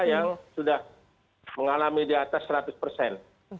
yang sudah mengalami di atas seratus persen